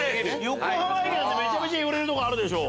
横浜駅なんてめちゃめちゃ寄れる所あるでしょ。